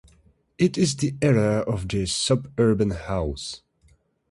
It is the era of the "suburban house".